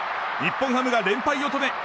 日本ハムが連敗を止め